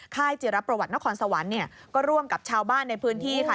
จิรประวัตินครสวรรค์เนี่ยก็ร่วมกับชาวบ้านในพื้นที่ค่ะ